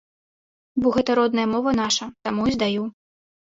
Бо гэта родная мова наша, таму і здаю.